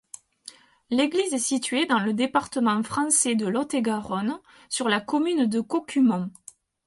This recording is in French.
L'église est située dans le département français de Lot-et-Garonne, sur la commune de Cocumont.